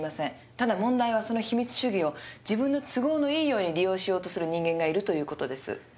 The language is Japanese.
ただ問題はその秘密主義を自分の都合のいいように利用しようとする人間がいるという事です。